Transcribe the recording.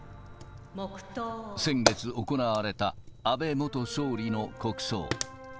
先月行われた安倍元総理の国葬。